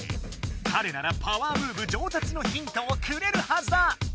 かれならパワームーブ上達のヒントをくれるはずだ！